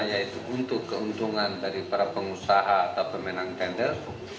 yaitu untuk keuntungan dari para pengusaha atau pemenang tender